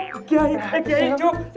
eh kiai cukup